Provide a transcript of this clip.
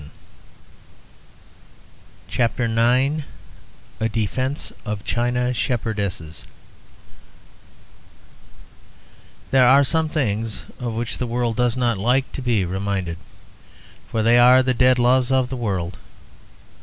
A DEFENCE OF CHINA SHEPHERDESSES There are some things of which the world does not like to be reminded, for they are the dead loves of the world.